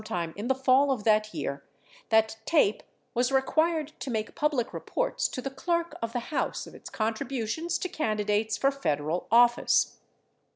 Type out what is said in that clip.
597 time in the fall of that year that TAPE was required to make public reports to the Clerk of the House of its contributions to candidates for Federal office.